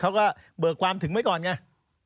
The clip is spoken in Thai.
เบิกความถึงไว้ก่อนไง